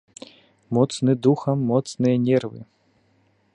Моцны духам, моцныя нервы!